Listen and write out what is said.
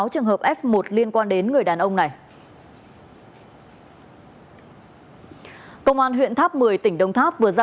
sáu trường hợp f một liên quan đến người đàn ông này công an huyện tháp một mươi tỉnh đông tháp vừa ra